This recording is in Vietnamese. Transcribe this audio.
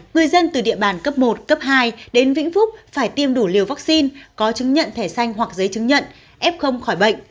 người dân từ địa bàn cấp một cấp hai đến vĩnh phúc phải tiêm đủ liều vaccine có chứng nhận thẻ xanh hoặc giấy chứng nhận f khỏi bệnh